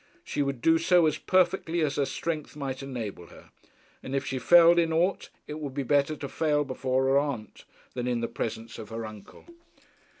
She would do so as perfectly as her strength might enable her; and if she failed in aught, it would be better to fail before her aunt than in the presence of her uncle.